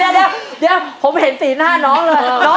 แล้วเตรียมเห็นสีหน้าน้องเลย